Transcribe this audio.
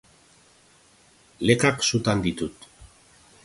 Lekak sutan ditut